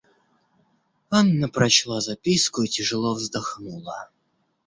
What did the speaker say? Анна прочла записку и тяжело вздохнула.